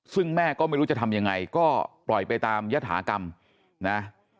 ซึ่งแม่ก็ไม่รู้จะทำยังไงก็ปล่อยไปตามยฐากรรมนะ